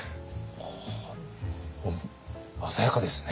ほう鮮やかですね。